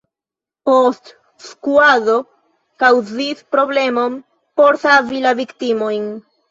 Postskuado kaŭzis problemon por savi la viktimojn.